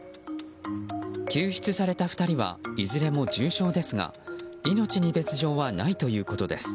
救出された２人はいずれも重傷ですが命に別条はないということです。